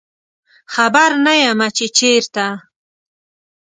خبر نه یمه چې چیرته